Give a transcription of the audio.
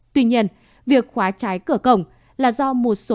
tuy nhiên việc khóa trái cửa cổng là do một số